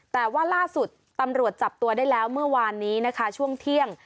แต่ว่าล่าสุดตำรวจจับตัวได้แล้วเมื่อวานนี้นะคะช่วงเที่ยง